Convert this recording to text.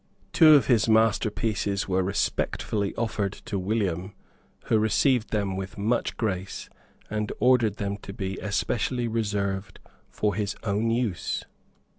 Two of his masterpieces were respectfully offered to William, who received them with much grace, and ordered them to be especially reserved for his own use.